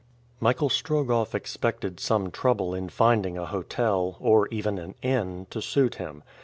Michael Strogoff expected some trouble in finding a hotel, or even an inn, to suit him.